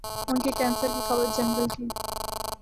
ان کے کینسر کی خبر جنگل کی